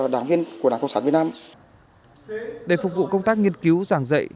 để phục vụ công tác nghiên cứu giảng dạy